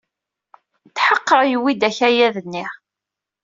Tḥeqqeɣ yuwey-d akayad-nni.